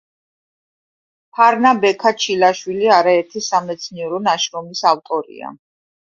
ფარნა-ბექა ჩილაშვილი არაერთი სამეცნიერო ნაშრომის ავტორია.